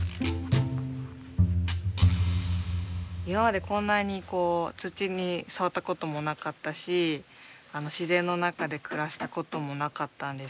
今までこんなにこう土に触ったこともなかったし自然の中で暮らしたこともなかったんですけど。